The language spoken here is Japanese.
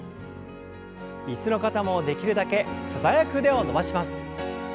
椅子の方もできるだけ素早く腕を伸ばします。